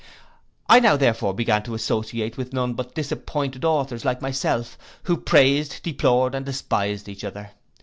'Now, therefore, I began to associate with none but disappointed authors, like myself, who praised, deplored, and despised each other.